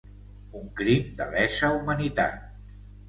Un crim de lesa humanitat.